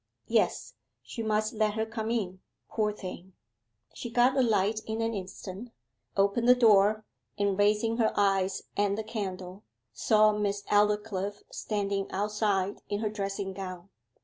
Yes; she must let her come in, poor thing. She got a light in an instant, opened the door, and raising her eyes and the candle, saw Miss Aldclyffe standing outside in her dressing gown.